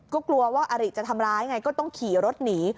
ก็กลัวว่าอริจะทำร้ายไงก็ต้องขี่รถหนี